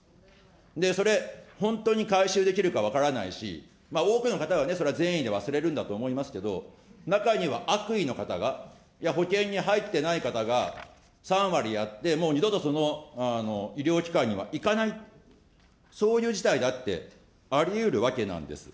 それ、本当に回収できるか分からないし、多くの方は、それはね、それ善意で忘れるんだと思いますけれども、中には悪意の方が、いや、保険に入ってない方が、３割やってもう二度とその医療機関には行かない、そういう事態だってありうるわけなんです。